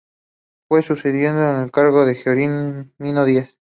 Fue sucedido en el cargo por Gerónimo Díaz.